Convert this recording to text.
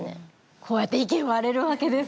こうやって意見割れるわけですよ。